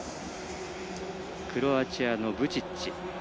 クロアチアのブチッチ。